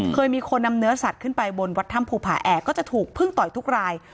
เคยมีคนนำเนื้อสัตว์ขึ้นไปบนวัดถ้ำภูผาแอกก็จะถูกพึ่งต่อยทุกราย